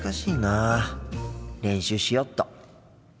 練習しよっと。